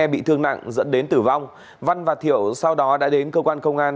bị thương nặng dẫn đến tử vong văn và thiệu sau đó đã đến cơ quan công an